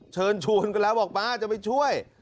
เชิญชวนกันแล้วบอกป้าจะไปช่วย